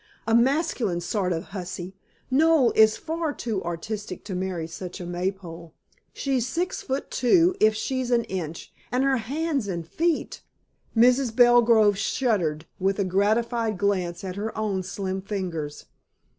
"A masculine sort of hussy. Noel is far too artistic to marry such a maypole. She's six foot two, if she's an inch, and her hands and feet " Mrs. Belgrove shuddered with a gratified glance at her own slim fingers.